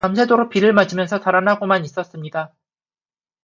밤새도록 비를 맞으면서 달아나고만 있었습니다.